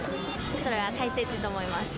それは大切と思います。